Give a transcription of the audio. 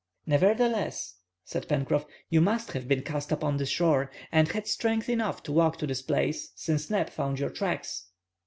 "Nevertheless," said Pencroff, "you must have been cast upon the shore, and had strength enough to walk to this place, since Neb found your tracks."